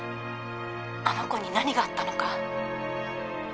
あの子に何があったのか。